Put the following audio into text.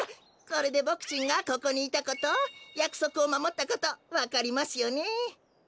これでボクちんがここにいたことやくそくをまもったことわかりますよね。